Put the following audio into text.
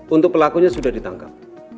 untuk pelakunya sudah ditangkap